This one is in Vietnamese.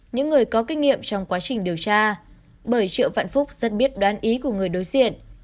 những người có kinh nghiệm trong quá trình điều tra bởi triệu vạn phúc rất biết đoan ý của người đối diện